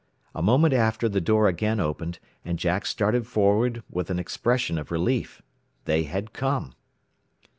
A moment after the door again opened, and Jack started forward with an expression of relief. They had come.